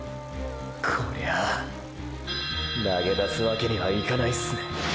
こりゃあ投げ出すわけにはいかないすね。